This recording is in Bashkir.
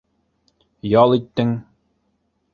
Ял иттең.